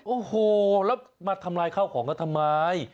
โอ้โหแล้วมาทำลายข้าวของเขาทำไม